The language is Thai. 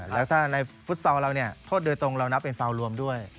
แล้วถ้าในฟุตซอลเราเนี่ยโทษโดยตรงเรานับเป็นฟาวรวมด้วย